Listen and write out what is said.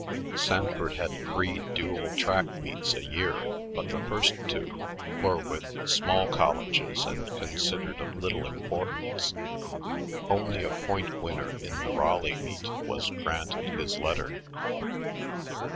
Sanford had three dual track meets a year, but the first two were with small colleges and considered of little importance. Only a point winner in the Raleigh meet was granted his letter.